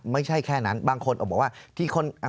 ไม่ใช่แค่นั้นบางคนออกบอกว่า